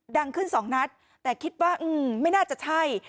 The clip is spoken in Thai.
ดังขึ้นสองนัดแต่คิดว่าไม่น่าจะใช่